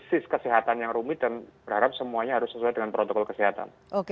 krisis kesehatan yang rumit dan berharap semuanya harus sesuai dengan protokol kesehatan